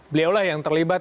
beliau lah yang terlibat